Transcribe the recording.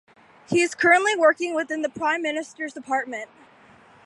He is currently working within the Prime Minister's department.